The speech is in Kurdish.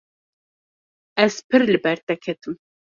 Ez pir li ber te ketim.